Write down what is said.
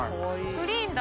グリーンだ。